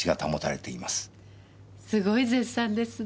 すごい絶賛ですね。